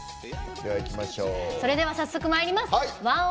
それでは早速まいります